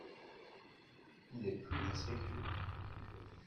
Il est plus respectueux.